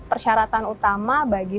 persyaratan utama bagi